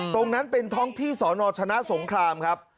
ตรงนั้นเป็นท้องที่สนชนะสงครามครับ